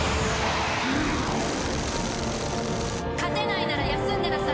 勝てないなら休んでなさい。